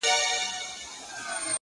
زما خوښيږي پر ماگران دى د سين تـورى ـ